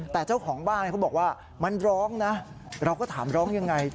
แต่เจ้าของบ้านเขาบอกว่ามันร้องนะเราก็ถามร้องยังไง